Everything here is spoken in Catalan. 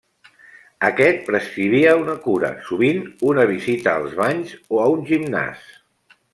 Aquest prescrivia una cura, sovint una visita als banys o a un gimnàs.